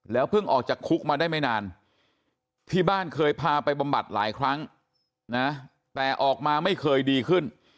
เพิ่งออกจากคุกมาได้ไม่นานที่บ้านเคยพาไปบำบัดหลายครั้งนะแต่ออกมาไม่เคยดีขึ้น